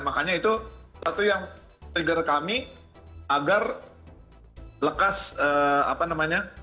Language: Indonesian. makanya itu satu yang trigger kami agar lekas apa namanya